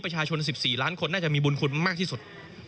๑๔ล้านคนน่าจะมีบุญคุณมากที่สุด